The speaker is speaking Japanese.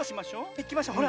いきましょほら。